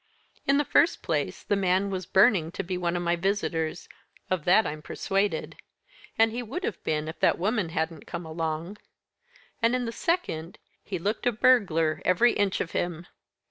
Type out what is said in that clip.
In the first place the man was burning to be one of my visitors, of that I'm persuaded and he would have been if the woman hadn't come along. And in the second, he looked a burglar every inch of him.